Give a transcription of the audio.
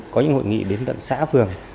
có những hội nghị đến tận xã phường